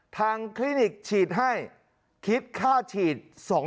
ทางคลินิคฉีดให้คิดข้าฉีด๒๘๐๐